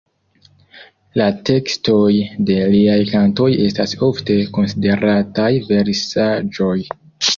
La tekstoj de liaj kantoj estas ofte konsiderataj versaĵoj.